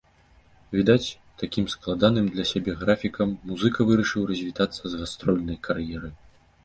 Відаць, такім складаным для сябе графікам музыка вырашыў развітацца з гастрольнай кар'ерай.